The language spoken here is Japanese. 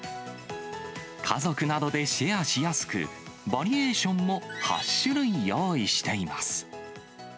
家族などでシェアしやすく、バリエーションも８種類用意しています。